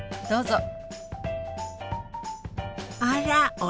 どうぞ。